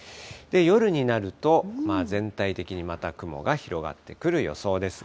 夜になると、全体的にまた雲が広がってくる予想です。